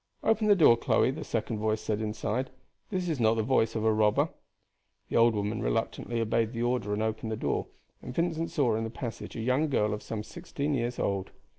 "Open the door, Chloe," the second voice said inside; "that is not the voice of a robber." The old woman reluctantly obeyed the order and opened the door, and Vincent saw in the passage a young girl of some sixteen years old.